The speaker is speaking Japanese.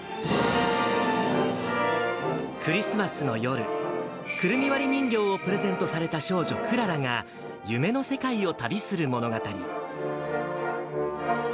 クリスマスの夜、くるみ割り人形をプレゼントされた少女、クララが夢の世界を旅する物語。